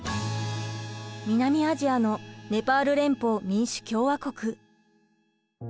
南アジアのネパール連邦民主共和国。